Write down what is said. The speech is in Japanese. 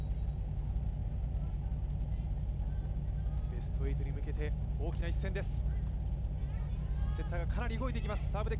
ベスト８に向けて、大きな一戦です。